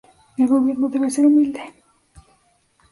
El Gobierno debe ser humilde.